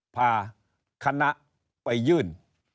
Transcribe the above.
พาคณะไปยื่น